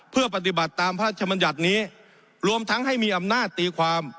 เพื่อปฏิบัติตามพระราชมัญญัตินี้รวมทั้งให้มีอำนาจตีความ